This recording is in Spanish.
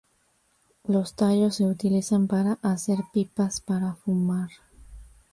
Los tallos se utilizan para hacer pipas para fumar.